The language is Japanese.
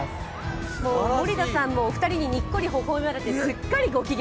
森田さんもお二人ににっこりほほ笑まれてすっかりご機嫌。